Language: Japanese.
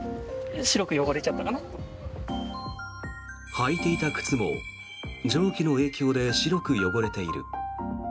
履いていた靴も蒸気の影響で白く汚れている。